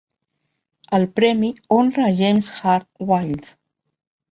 El premi honra a James Hart Wyld.